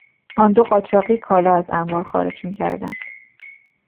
آن دو قاچاقی کالا از انبار خارج میکردند.